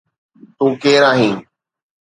تو ڪير آهين؟